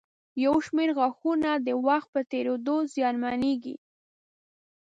یو شمېر غاښونه د وخت په تېرېدو زیانمنېږي.